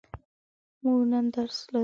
موږ نن درس لرو.